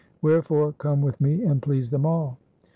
Where fore come with me and please them all.'